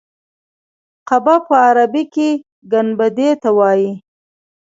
قبه په عربي کې ګنبدې ته وایي.